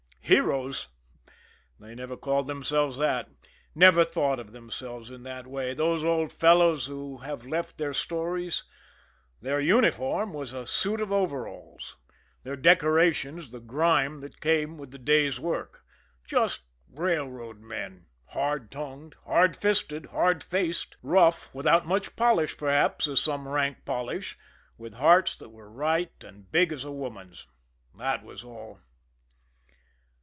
Heroes? They never called themselves that never thought of themselves in that way, those old fellows who have left their stories. Their uniform was a suit of overalls, their "decorations" the grime that came with the day's work just railroad men, hard tongued, hard fisted, hard faced, rough, without much polish, perhaps, as some rank polish, with hearts that were right and big as a woman's that was all.